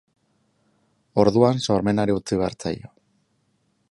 Orduan sormenari utzi behar zaio.